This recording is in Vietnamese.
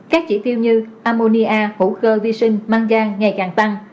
các chỉ tiêu như ammonia hũ khơ vi sinh mangan ngày càng tăng